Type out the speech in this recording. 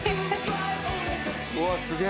うわすげぇ。